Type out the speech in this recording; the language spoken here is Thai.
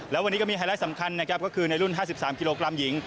แล้ววันนี้ก็มีไฮไลท์สำคัญนะครับก็คือในรุ่น๕๓กิโลกรัมหญิง